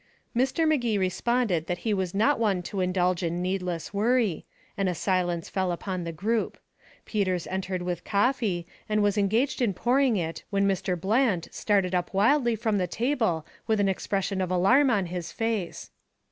Mr. Magee responded that he was not one to indulge in needless worry, and a silence fell upon the group. Peters entered with coffee, and was engaged in pouring it when Mr. Bland started up wildly from the table with an expression of alarm on his face.